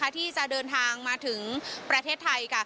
ที่จะเดินทางมาถึงประเทศไทย